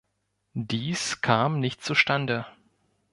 Dies kam nicht zustande.